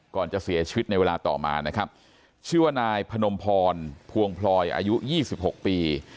ก่อนจะเสียชีวิตในเวลาต่อมานะครับชื่อว่านายพนมพรพวงพลอยอายุ๒๖ปี